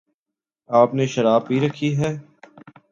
آپ نے شراب پی رکھی ہے؟